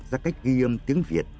ra cách ghi âm tiếng việt